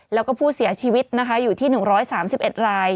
แล้วก็ผู้เสียชีวิตนะคะอยู่ที่๑๓๑ราย